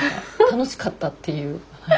楽しかったっていう。